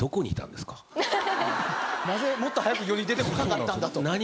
なぜもっと早く世に出てこなかったんだと。